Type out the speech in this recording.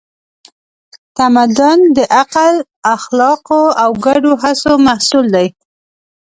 تمدن د عقل، اخلاقو او ګډو هڅو محصول دی.